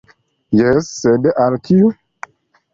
Jes, sed al kiu?